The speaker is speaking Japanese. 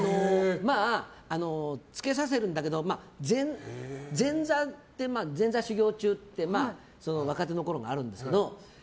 つけさせるんだけど前座修業中って若手のころにあるんですけど。